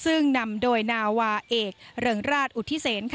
ซึ่งนำโดยนาวาเอกเริงราชอุทธิเศษ